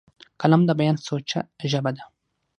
قلم د بیان سوچه ژبه ده